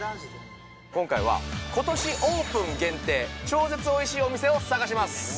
今回は今年オープン限定超絶おいしいお店を探します